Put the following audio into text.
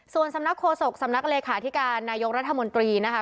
ส่วนสำนักโฆษกสำนักเลขาธิการนายกรัฐมนตรีนะคะ